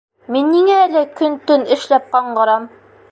Мин ниңә әле көн-төн эшләп ҡаңғырам?